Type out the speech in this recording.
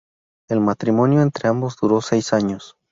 El matrimonio entre ambos duró seis años.